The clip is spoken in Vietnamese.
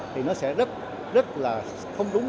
thì nó sẽ rất là không đúng